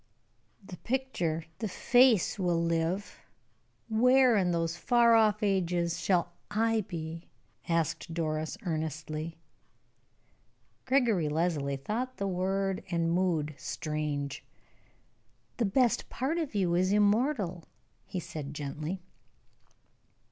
"The picture the face will live! Where, in those far off ages, shall I be?" asked Doris, earnestly. Gregory Leslie thought the word and mood strange. "The best part of you is immortal," he said, gently.